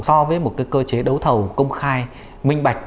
so với một cơ chế đấu thầu công khai minh bạch